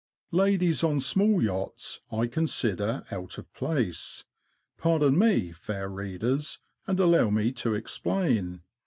Ladies on small yachts I consider out of place. Pardon me, fair readers, and allow me to explain.